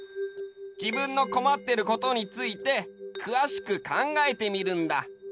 自分のこまってることについてくわしく考えてみるんだ。